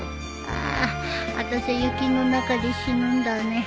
あたしゃ雪の中で死ぬんだね